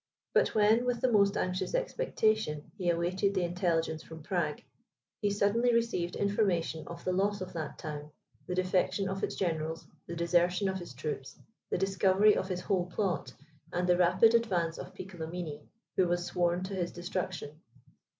But when, with the most anxious expectation, he awaited the intelligence from Prague, he suddenly received information of the loss of that town, the defection of his generals, the desertion of his troops, the discovery of his whole plot, and the rapid advance of Piccolomini, who was sworn to his destruction.